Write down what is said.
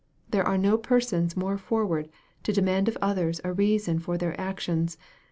There are no persona more forward to demand of others a reason for their actions, th.